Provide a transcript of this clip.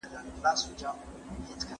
فارابي د سولي فکر لري.